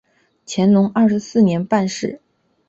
乾隆二十四年办事。